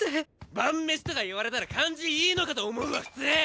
晩飯とか言われたら感じいいのかと思うわフツー。